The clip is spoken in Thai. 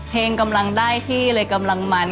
กำลังได้ที่เลยกำลังมัน